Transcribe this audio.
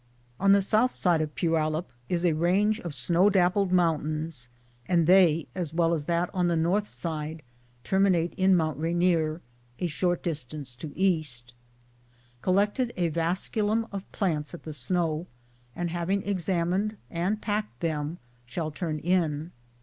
On the S. side of Poyallip is a range of snow dappled mountains, and they, as well as that FIRST APPROACH TO THE MOUNTAIN, 1833 on the N. side, terminate in Mt. Rainier, a short dis tance to E. Collected a vasculum of plants at the snow, and having examined and packed them shall turn in.